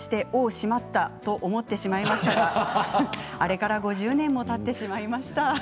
しまった！と思ってしまいましたがあれから５０年もたってしまいました。